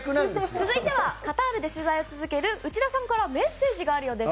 続いてはカタールで取材を続ける内田さんからメッセージがあるようです。